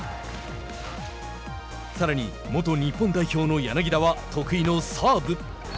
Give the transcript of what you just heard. さらに元日本代表の柳田は得意のサーブ。